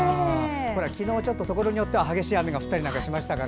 昨日、ところによっては激しい雨が降ったりしましたから。